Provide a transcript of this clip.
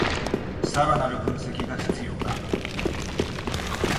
さらなる分析が必要だ